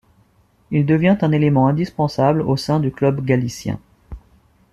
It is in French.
Il devient un élément indispensable au sein du club galicien.